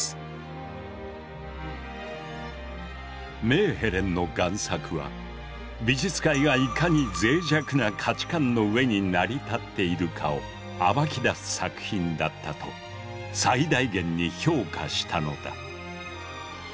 メーヘレンの贋作は美術界がいかに脆弱な価値観の上に成り立っているかを暴き出す作品だったと最大限に評価したのだ。